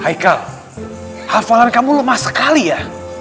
haikal hafalan kamu lemah sekali ya